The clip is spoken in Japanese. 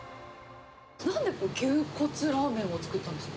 なんで牛骨ラーメンを作ったんですか？